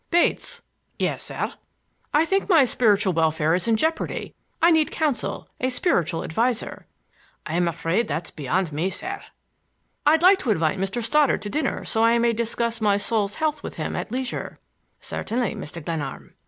"Bates!" "Yes, sir." "I think my spiritual welfare is in jeopardy. I need counsel,—a spiritual adviser." "I'm afraid that's beyond me, sir." "I'd like to invite Mr. Stoddard to dinner so I may discuss my soul's health with him at leisure." "Certainly, Mr. Glenarm."